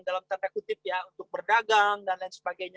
dalam tanda kutip ya untuk berdagang dan lain sebagainya